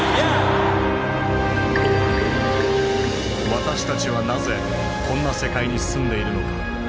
私たちはなぜこんな世界に住んでいるのか。